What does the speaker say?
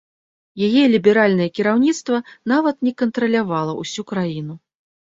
Яе ліберальнае кіраўніцтва нават не кантралявала ўсю краіну.